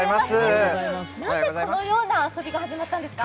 なぜこのような遊びが始まったのですか？